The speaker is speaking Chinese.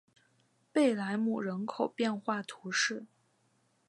贝莱姆人口变化图示